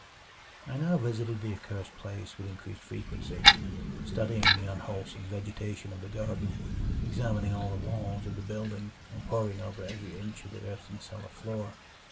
I now visited the accursed place with increased frequency; studying the unwholesome vegetation of the garden, examining all the walls of the building, and poring over every inch of the earthen cellar floor.